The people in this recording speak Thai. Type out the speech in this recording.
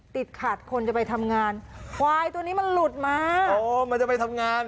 ติดขาดคนจะไปทำงานควายตัวนี้มันหลุดมาโอ้มันจะไปทำงาน